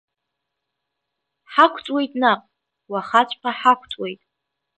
Ҳақәҵуеит наҟ, уахаҵәҟьа ҳақәҵуеит.